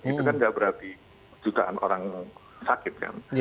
itu kan tidak berarti jutaan orang sakit kan